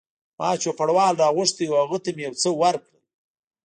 ما چوپړوال را غوښتی و او هغه ته مې یو څه ورکړل.